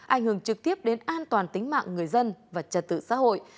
ảnh hưởng trực tiếp đến an toàn tính mạng người dân và trật tự xã hội